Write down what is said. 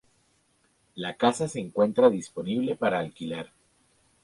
La casa se encuentra disponible para alquilar.